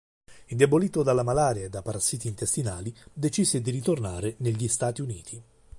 Indebolito dalla malaria e da parassiti intestinali, decise di ritornare negli Stati Uniti.